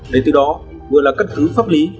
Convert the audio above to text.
để từ đó vừa là cắt cứ pháp lý